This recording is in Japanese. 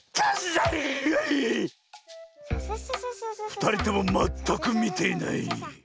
ふたりともまったくみていない。